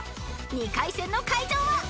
［２回戦の会場は］